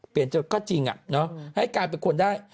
เปลี่ยนเจ้าระเข้ก็จริงอะเนาะให้กลายเป็นคนได้